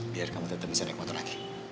biar kamu tetap bisa naik motor lagi